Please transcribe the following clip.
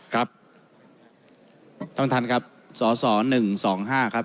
ครับท่านท่านครับสอสอหนึ่งสองห้าครับ